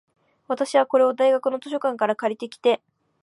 私は、これを大学の図書館から借りてきて、